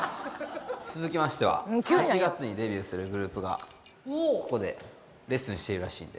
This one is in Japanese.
続きましては８月にデビューするグループがここでレッスンしているらしいんで。